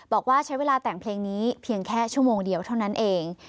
บอกว่าใช้เวลาแต่งเพลงนี้เพียงแค่ชั่วโมงเดียวเท่านั้นเอง